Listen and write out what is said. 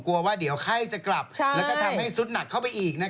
กลัวว่าเดี๋ยวไข้จะกลับแล้วก็ทำให้สุดหนักเข้าไปอีก